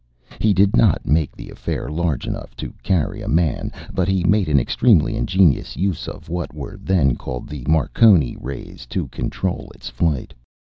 He did not make the affair large enough to carry a man, but he made an extremely ingenious use of what were then called the Marconi rays to control its flight.